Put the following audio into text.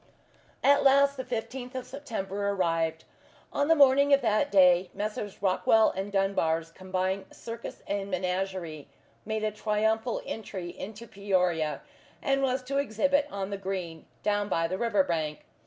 At last the fifteenth of September arrived. On the morning of that day Messrs. Rockwell and Dunbar's Combined Circus and Menagerie made a triumphal entry into Peoria, and was to exhibit on the green, down by the river bank.